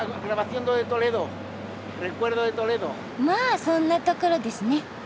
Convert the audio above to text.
まあそんなところですね。